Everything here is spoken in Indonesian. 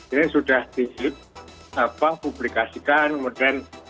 ini sudah dipublikasikan kemudian